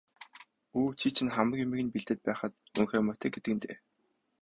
Өө, чи чинь хамаг юмыг нь бэлдээд байхад унхиа муутай гэдэг нь дээ.